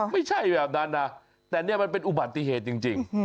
ไม่ใช่แบบนั้นนะแต่นี่มันเป็นอุบัติเหตุจริง